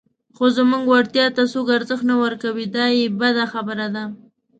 خو زموږ وړتیا ته څوک ارزښت نه ورکوي، دا یې بده خبره ده.